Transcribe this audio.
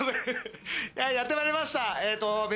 やってまいりました。